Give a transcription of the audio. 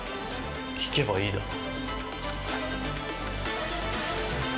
聞けばいいだろ。